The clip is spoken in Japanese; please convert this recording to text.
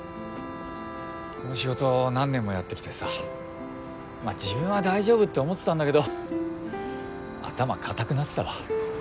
この仕事何年もやってきてさ自分は大丈夫って思ってたんだけど頭固くなってたわ。